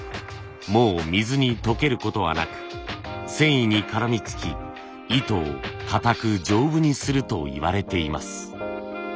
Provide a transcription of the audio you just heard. もう水に溶けることはなく繊維に絡みつき糸をかたく丈夫にするといわれています。